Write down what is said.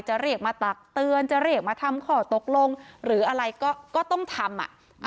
จะเรียกมาตักเตือนจะเรียกมาทำข้อตกลงหรืออะไรก็ต้องทำ